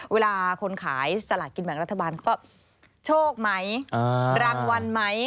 เวลาคนขายสลากกินแบ่งรัฐบาลก็โชคไหมรางวัลไหม